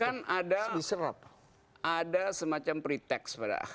kan ada semacam pretext pada